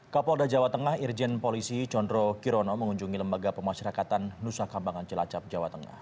kapolda jawa tengah irjen polisi chondro kirono mengunjungi lembaga pemasyarakatan nusakambangan cilacap jawa tengah